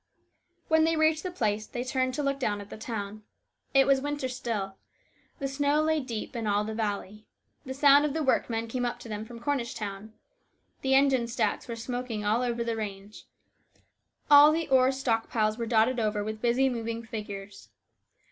When they reached the place they turned to look down at the town. It was winter still. The snow AN ORATOR. 279 lay deep in all the valley. The sound of the work men came up to them from Cornish town. The engine stacks were smoking all over the range. All the ore stock piles were dotted over with busy moving figures.